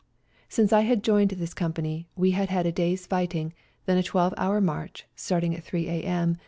Since I had joined this com pany we had had a day's fighting, then a twelve hour march, starting at 3 a.m.